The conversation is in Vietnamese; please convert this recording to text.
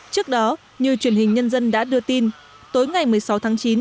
trước đó như truyền hình nhân dân đã đưa tin tối ngày một mươi sáu tháng chín